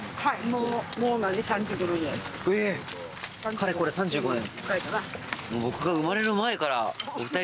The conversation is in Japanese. かれこれ３５年。